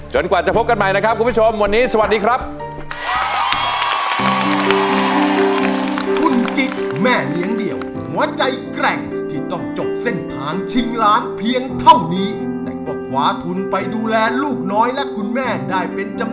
จนกว่าจะพบกันใหม่นะครับคุณผู้ชม